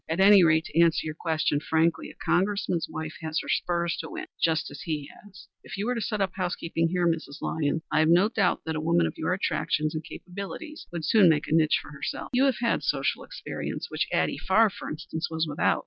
At any rate, to answer your question frankly, a Congressman's wife has her spurs to win just as he has. If you were to set up house keeping, here, Mrs. Lyons, I've no doubt that a woman of your attractions and capabilities would soon make a niche for herself. You have had social experience, which Addie Farr, for instance, was without."